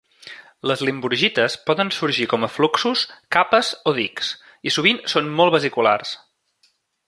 Les limburgites poden sorgir com a fluxos, capes o dics, i sovint són molt vesiculars.